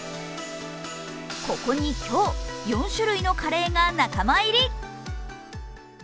ここに今日、４種類のカレーが仲間入り。